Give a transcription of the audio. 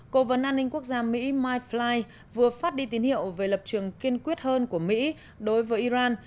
cố vấn an ninh quốc gia mỹ mike fly vừa phát đi tín hiệu về lập trường kiên quyết hơn của mỹ đối với iran